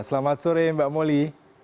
selamat sore mbak moli